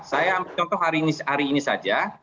saya ambil contoh hari ini saja